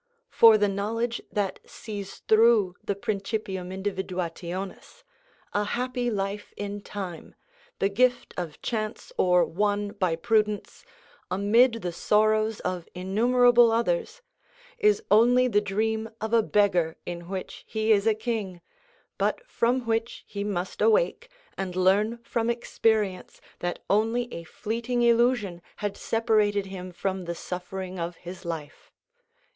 For the knowledge that sees through the principium individuationis, a happy life in time, the gift of chance or won by prudence, amid the sorrows of innumerable others, is only the dream of a beggar in which he is a king, but from which he must awake and learn from experience that only a fleeting illusion had separated him from the suffering of his life.